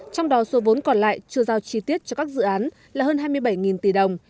trong đó số vốn còn lại chưa giao chi tiết cho các dự án là hơn hai mươi bảy tỷ đồng